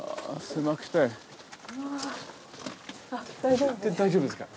大丈夫ですか？